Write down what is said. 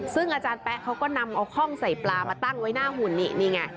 ซึ่งอาจารย์แป๊ะเขาก็นำเอาคล่องใส่ปลามาตั้งไว้หน้าหุ่นนี่นี่ไง